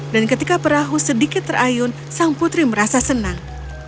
dan ketika perahu sedikit terayun sang putri merasa senang